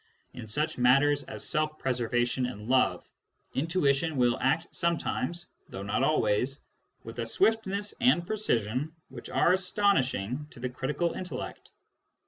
In such matters as self preservation and love, intuition will act sometimes (though not always) with a swiftness and precision which are astonishing to the critical intellect.